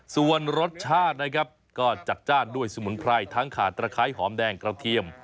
ส่วนรสชาตินะครับก็จัดจ้านด้วยสมุนไพรทั้งขาดตะไคร้หอมแดงกระเทียม